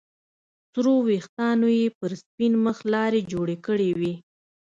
سرو ويښتانو يې پر سپين مخ لارې جوړې کړې وې.